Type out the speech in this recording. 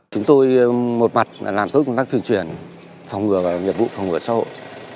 chúng tôi một mặt làm tốt công tác thường truyền phòng ngừa và nghiệp vụ phòng ngừa xã hội